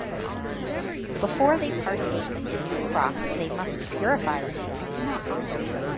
Before they partake of the new crops they must purify themselves.